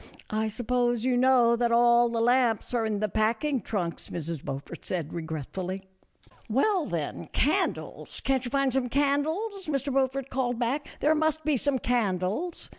"I suppose you know that all the lamps are in the packing trunks," Mrs Beaufort said regretfully. " Well then, candles ; can't you find some can A FURNISHED COTTAGE BY THE SEA. 22$ dies?" Mr. Beaufort called back; "there must be some candles."